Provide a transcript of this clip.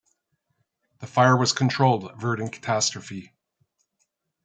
The fire was controlled, averting catastrophe.